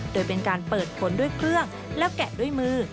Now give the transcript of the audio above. โดยเป็นการเปิดผลด้วยเครื่องแล้วแกะด้วยมือ